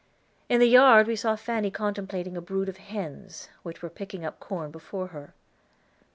In the yard we saw Fanny contemplating a brood of hens, which were picking up corn before her.